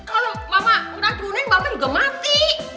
kalau mama diracunin mama juga mati